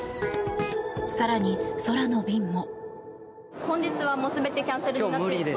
更に、空の便も。